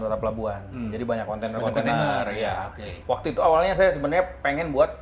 tota pelabuhan jadi banyak kontainer kontainer waktu itu awalnya saya sebenarnya pengen buat